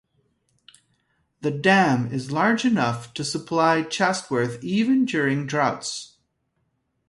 The dam is large enough to supply Chatsworth even during droughts.